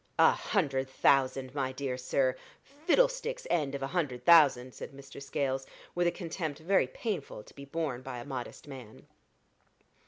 "A hundred thousand, my dear sir! fiddle stick's end of a hundred thousand," said Mr. Scales, with a contempt very painful to be borne by a modest man.